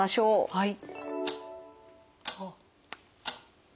はい。